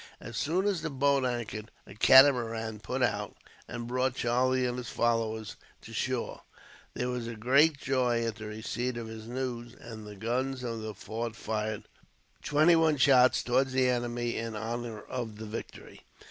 As soon as the boat anchored, a catamaran put out, and brought Charlie and his followers to shore. There was great joy at the receipt of his news, and the guns of the fort fired twenty one shots towards the enemy, in honor of the victory.